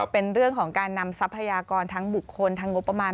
เป็นเรื่องของการนำทรัพยากรทั้งบุคคลทั้งงบประมาณ